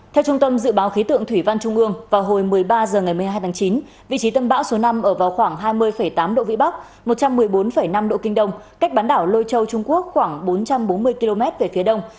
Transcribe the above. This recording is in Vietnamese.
đoàn trung ương vào hồi một mươi ba h ngày một mươi hai tháng chín vị trí tâm bão số năm ở vào khoảng hai mươi tám độ vĩ bắc một trăm một mươi bốn năm độ kinh đông cách bán đảo lôi châu trung quốc khoảng bốn trăm bốn mươi km về phía đông